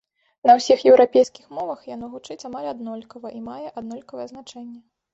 На ўсіх еўрапейскіх мовах яно гучыць амаль аднолькава і мае аднолькавае значэнне.